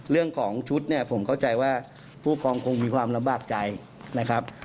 เรื่องของชุดเนี่ยผมเข้าใจว่าผู้ครองคงมีความลำบากใจนะครับ